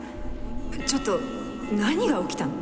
ちょっと何が起きたの？